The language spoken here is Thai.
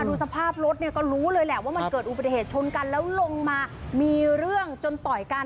ดูสภาพรถเนี่ยก็รู้เลยแหละว่ามันเกิดอุบัติเหตุชนกันแล้วลงมามีเรื่องจนต่อยกัน